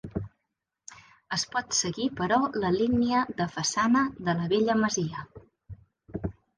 Es pot seguir però la línia de façana de la vella masia.